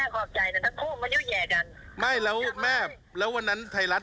เคยเห็นแม่แล้วก็ผู้ใหญ่กาหน้าตรงนั้นมันก็บอกผู้ใหญ่กาว่า